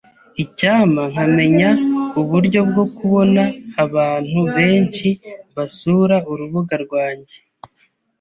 Icyampa nkamenya uburyo bwo kubona abantu benshi basura urubuga rwanjye.